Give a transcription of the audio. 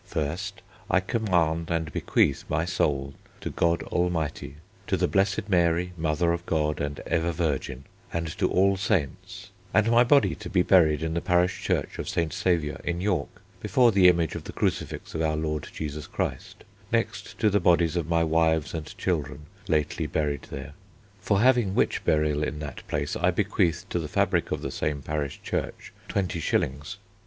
First, I command and bequeath my soul to God Almighty, to the blessed Mary, Mother of God and ever Virgin, and to All Saints, and my body to be buried in the parish church of St. Saviour in York, before the image of the Crucifix of our Lord Jesus Christ, next to the bodies of my wives and children lately buried there, for having which burial in that place I bequeath to the fabric of the same parish church 20s.